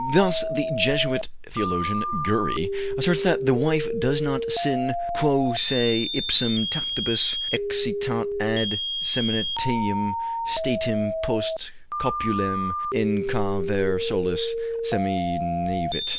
Thus, the Jesuit theologian, Gury, asserts that the wife does not sin "quæ se ipsam tactibus excitat ad seminationem statim post copulam in quâ vir solus seminavit."